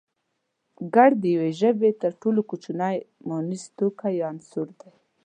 گړ د يوې ژبې تر ټولو کوچنی مانيز توکی يا عنصر دی